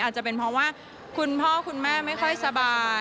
อาจจะเป็นเพราะว่าคุณพ่อคุณแม่ไม่ค่อยสบาย